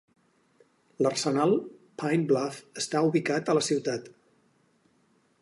L'arsenal Pine Bluff està ubicat a la ciutat.